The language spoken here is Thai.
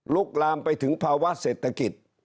ลามไปถึงภาวะเศรษฐกิจ